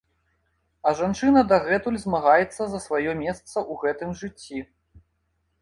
А жанчына дагэтуль змагаецца за сваё месца ў гэтым жыцці.